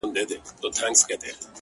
ميسج،